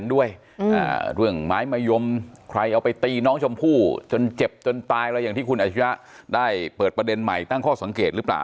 ด้วยเรื่องไม้มะยมใครเอาไปตีน้องชมพู่จนเจ็บจนตายอะไรอย่างที่คุณอาชิระได้เปิดประเด็นใหม่ตั้งข้อสังเกตหรือเปล่า